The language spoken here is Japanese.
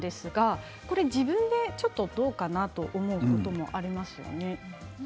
自分でどうかなと思う時もありますよね。